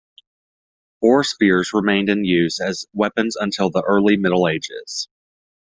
Boar spears remained in use as weapons until the early Middle Ages.